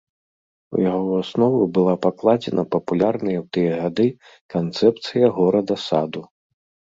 У яго аснову была пакладзена папулярная ў тыя гады канцэпцыя горада-саду.